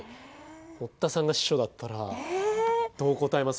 堀田さんが司書だったらどう答えます？